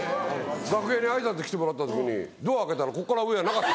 楽屋に挨拶来てもらった時にドア開けたらここから上がなかった。